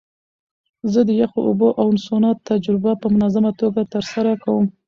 زه د یخو اوبو او سونا تجربه په منظمه توګه ترسره کوم.